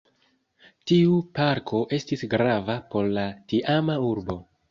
Tiu parko estis grava por la tiama urbo.